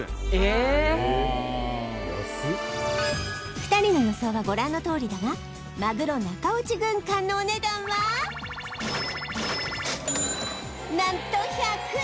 ２人の予想はご覧のとおりだがマグロ中落ち軍艦のお値段は何と１００円！